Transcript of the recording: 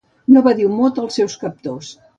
No va dir un mot als seus captors.